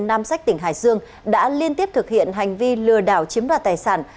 nam sách tỉnh hải dương đã liên tiếp thực hiện hành vi lừa đảo chiếm đoạt tài sản